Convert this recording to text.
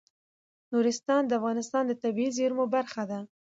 نورستان د افغانستان د طبیعي زیرمو برخه ده.